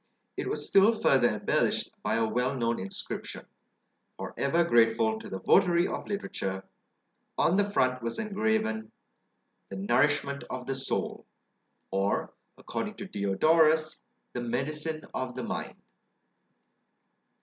It was still further embellished by a well known inscription, for ever grateful to the votary of literature; on the front was engraven, "The nourishment of the soul;" or, according to Diodorus, "The medicine of the mind."